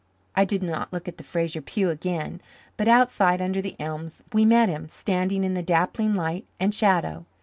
I did not look at the Fraser pew again, but outside, under the elms, we met him, standing in the dappling light and shadow.